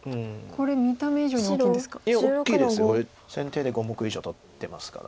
これ先手で５目以上取ってますから。